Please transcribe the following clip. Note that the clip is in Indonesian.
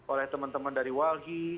oleh teman teman dari walhi